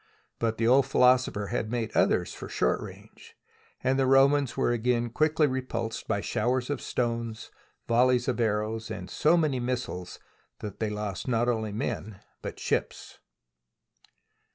But the old philosopher had made others for short range, and the Romans were again quickly repulsed by showers of stones, volleys of arrows, and so many missiles that they lost not only men but ships.